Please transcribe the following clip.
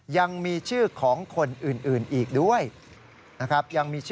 ยังมีชื่อของคนอื่นอีกด้วยนะครับ